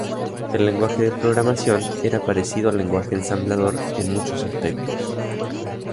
El lenguaje de programación era parecido al lenguaje ensamblador en muchos aspectos.